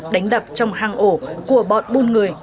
đánh đập trong hang ổ của bọn buôn người